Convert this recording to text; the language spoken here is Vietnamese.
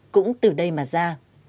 cũng từ đây mà ra